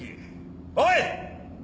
おい！